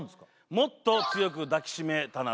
「もっと強く抱きしめたなら」